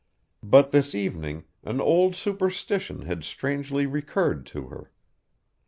But this evening an old superstition had strangely recurred to her.